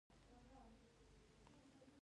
د افغانستان طبیعت له هلمند سیند څخه جوړ شوی دی.